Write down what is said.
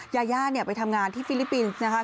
ยาย่าเนี่ยไปทำงานที่ฟิลิปปินส์นะคะ